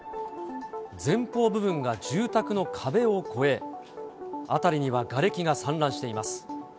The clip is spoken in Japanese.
前方部分が住宅の壁を越え、辺りにはがれきが散乱しています。